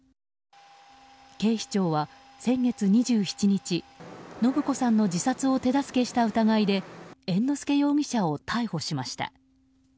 警視庁は先月２７日延子さんの自殺を手助けした疑いで猿之助容疑者を逮捕しました。